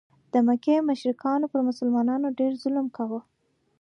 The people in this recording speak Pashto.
د مکې مشرکانو پر مسلمانانو ډېر ظلم کاوه.